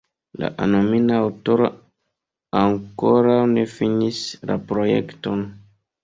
La anonima aŭtoro ankoraŭ ne finis la projekton.